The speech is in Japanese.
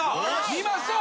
見ましょう。